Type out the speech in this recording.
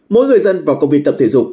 mỗi người dân vào công viên tập thể dục